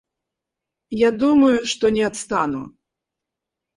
Я думаю, что не отстану....